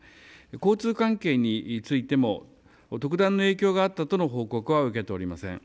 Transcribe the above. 交通関係についても特段の影響があったとの報告は受けておりません。